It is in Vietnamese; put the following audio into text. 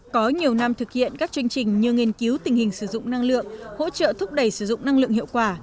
có nhiều năm thực hiện các chương trình như nghiên cứu tình hình sử dụng năng lượng hỗ trợ thúc đẩy sử dụng năng lượng hiệu quả